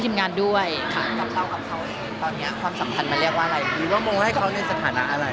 หรือมองให้เขาในสถานะอะไร